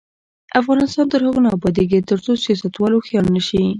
افغانستان تر هغو نه ابادیږي، ترڅو سیاستوال هوښیار نشي.